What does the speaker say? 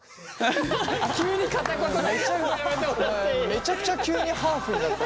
めちゃくちゃ急にハーフになった。